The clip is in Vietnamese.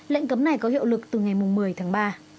lệnh cấm này có hiệu lực từ ngày một mươi tháng ba